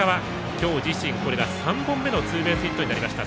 今日自身これが３本目のツーベースヒットになりました。